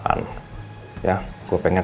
berantakan ya gue pengen